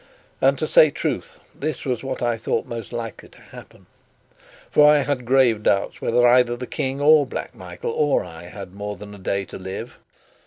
And, to say truth, this was what I thought most likely to happen. For I had great doubts whether either the King or Black Michael or I had more than a day to live.